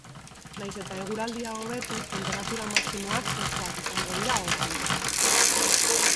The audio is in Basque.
Nahiz eta eguraldia hobetu, tenperatura maximoak freskoak izango dira oraindik.